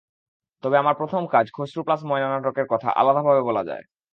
তবে আমার প্রথম কাজ, খসরু প্লাস ময়না নাটকের কথা আলাদাভাবে বলা যায়।